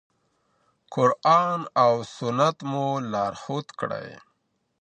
قرآن او سنت مو لارښود کړئ.